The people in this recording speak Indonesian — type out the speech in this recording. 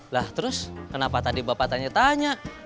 lah terus kenapa tadi bapak tanya tanya